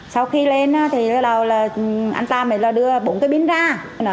sau khi lên thì lần đầu là anh ta mới là đưa bốn cái pin ra